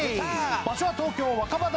場所は東京若葉台。